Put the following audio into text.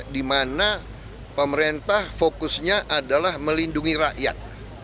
di mana pemerintah fokusnya adalah melindungi rakyat